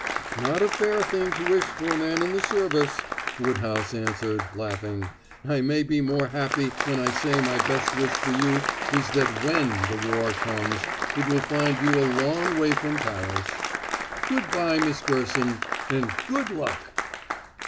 "Not a fair thing to wish for a man in the service," Woodhouse answered, laughing. "I may be more happy when I say my best wish for you is that when the war comes it will find you a long way from Paris. Good by, Miss Gerson, and good luck!"